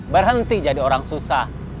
nanti jadi orang susah